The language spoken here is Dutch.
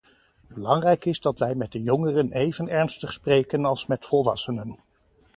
Belangrijk is dat wij met de jongeren even ernstig spreken als met volwassenen.